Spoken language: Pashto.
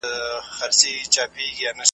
بس پر نورو یې کوله تهمتونه .